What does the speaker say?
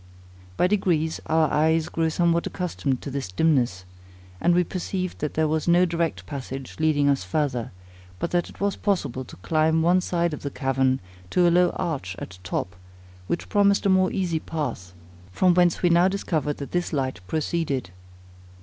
By degrees, our eyes grew somewhat accustomed to this dimness, and we perceived that there was no direct passage leading us further; but that it was possible to climb one side of the cavern to a low arch at top, which promised a more easy path, from whence we now discovered that this light proceeded.